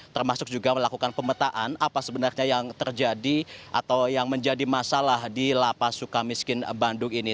termasuk juga melakukan pemetaan apa sebenarnya yang terjadi atau yang menjadi masalah di lapas suka miskin bandung ini